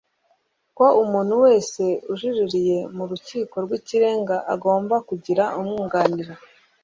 ko umuntu wese ujuririye mu rukiko rw ikirenga agomba kugira umwunganira